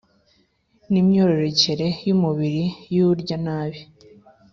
n imyororokere y umubiri y’urya nabi